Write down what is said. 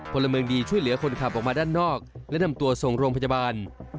พลเมืองดีช่วยเหลือคนขับออกมาด้านนอกและนำตัวส่งโรงพยาบาล